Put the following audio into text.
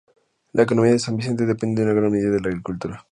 La economía de San Vicente depende en una gran medida de la agricultura.